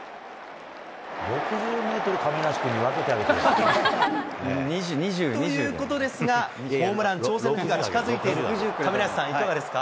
６０メートル亀梨君に分けてということですが、ホームラン挑戦の日が近づいている亀梨さん、いかがですか？